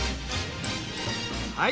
はい！